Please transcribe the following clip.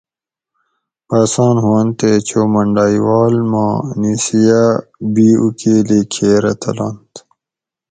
بسان ہُوانت تے چو منڈائی واۤل ما نِیسیا بی اُوکیلی کھیرہ تلنت